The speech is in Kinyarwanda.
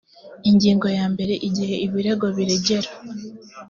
ingingo ya mbere igihe ibirego biregera